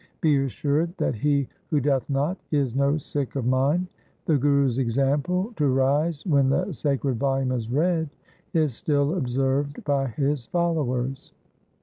Be assured that he who doth not, is no Sikh of mine.' The Guru's example to rise when the sacred volume is read is still observed by his followers.